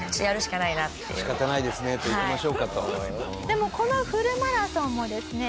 でもこのフルマラソンもですね。